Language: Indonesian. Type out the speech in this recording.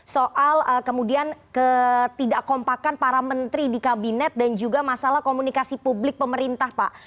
soal kemudian ketidak kompakan para menteri di kabinet dan juga masalah komunikasi publik pemerintah pak